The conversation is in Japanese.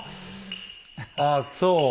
ああそう。